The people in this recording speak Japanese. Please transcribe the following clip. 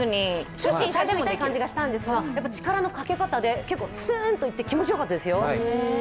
ちょっと痛い感じがしたんですが、力のかけ方で結構スーンといって気持ちよかったですよ。